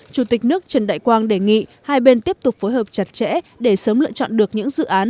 chủ tịch nước trần đại quang đề nghị hai bên tiếp tục phối hợp chặt chẽ để sớm lựa chọn được những dự án